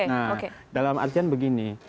nah dalam artian begini